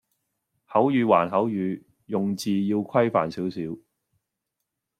口語還口語，用字要規範少少